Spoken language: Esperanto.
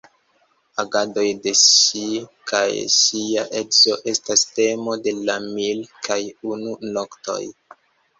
Agadoj de ŝi kaj ŝia edzo estas temo de la "Mil kaj unu noktoj".